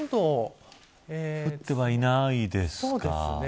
降ってはいないですか。